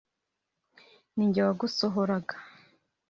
ni jye wagusohoraga